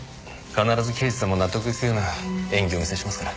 必ず刑事さんも納得のいくような演技をお見せしますから。